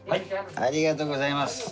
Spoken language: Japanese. ありがとうございます。